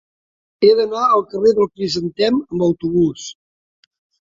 He d'anar al carrer del Crisantem amb autobús.